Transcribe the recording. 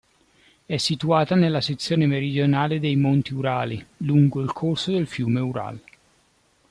È situata nella sezione meridionale dei monti Urali lungo il corso del fiume Ural.